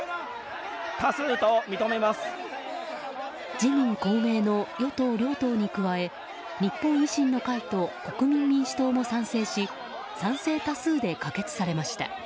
自民・公明の与党両党に加え日本維新の会と国民民主党も賛成し賛成多数で可決されました。